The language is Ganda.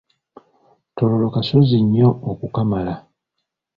Tororo kasozi nnyo okukamala.